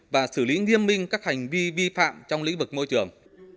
và xử lý nghiêm minh các hành vi vi phạm trong lĩnh vực môi trường